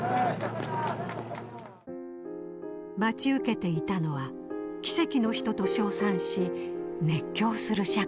待ち受けていたのは奇跡の人と称賛し熱狂する社会でした。